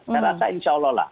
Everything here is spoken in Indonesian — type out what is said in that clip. saya rasa insya allah lah